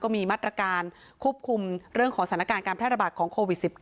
มีมาตรการควบคุมเรื่องของสถานการณ์การแพร่ระบาดของโควิด๑๙